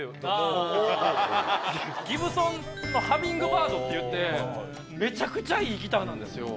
ギブソンのハミングバードっていってめちゃくちゃいいギターなんですよ。